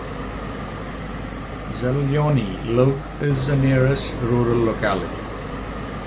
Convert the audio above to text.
Zelyony Lug is the nearest rural locality.